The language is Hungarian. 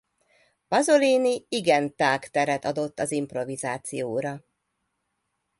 Pasolini igen tág teret adott az improvizációra.